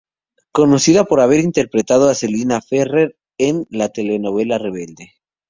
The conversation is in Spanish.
Conocida por haber interpretado a "Celina Ferrer" en la telenovela Rebelde.